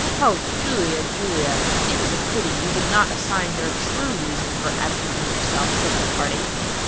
Oh, Julia, Julia! It is a pity you did not assign your true reason for absenting yourself from the party.